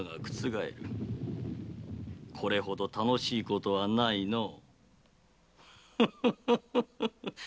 これほど楽しいことはないのう。